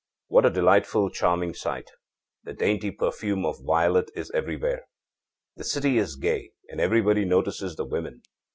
What a delightful, charming sight! The dainty perfume of violet is everywhere. The city is gay, and everybody notices the women.